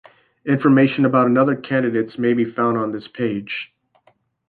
Information about another candidates may be found on this page.